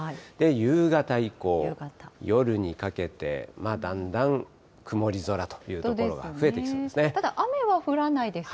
夕方以降、夜にかけて、だんだん曇り空という所が増えてきそうでただ、雨は降らないですか？